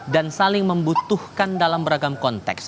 dan saling membutuhkan dalam beragam konteks